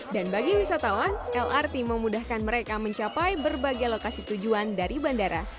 dan bagi wisatawan lrt memudahkan mereka mencapai berbagai lokasi tujuan dari bandara